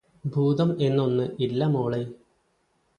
ഭൂതം എന്നൊന്ന് ഇല്ല മോളെ